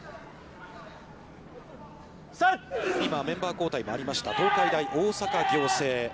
今メンバー交代もありました東海大大阪仰星。